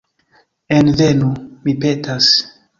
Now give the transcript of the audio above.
Envenu, mi petas.